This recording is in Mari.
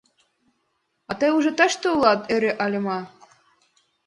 — А тый уже тыште улат? — ӧрӧ Альма.